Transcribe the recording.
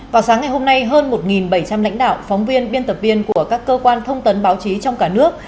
vào sáng ngày hôm nay hơn một bảy trăm linh lãnh đạo phóng viên biên tập viên của các cơ quan thông tấn báo chí trong cả nước